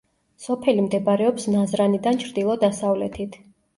სოფელი მდებარეობს ნაზრანიდან ჩრდილო-დასავლეთით.